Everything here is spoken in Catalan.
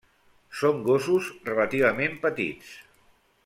Són gossos relativament petits.